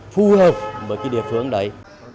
phù hợp với cái địa phương đấy